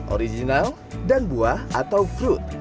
original dan buah atau fruit